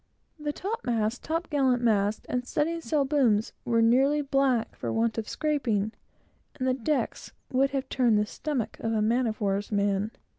The topmasts, top gallant masts and studding sail booms were nearly black for want of scraping, and the decks would have turned the stomach of a man of war's man.